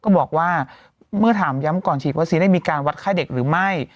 ก็บอกว่าเมื่อถามย้ำก่อนฉีดวัคซีนได้มีการวัดไข้เด็กหรือไม่